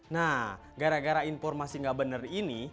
nah gara gara informasi gak bener ini